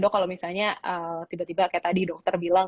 dok kalau misalnya tiba tiba kayak tadi dokter bilang